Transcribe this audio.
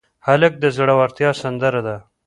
هلک د زړورتیا سندره ده.